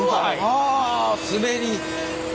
はあ滑り。